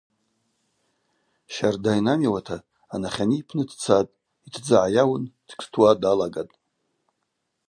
Щарда йнамиуата анахьани йпны дцатӏ, йтдзы гӏайауын дышӏтуа далагатӏ.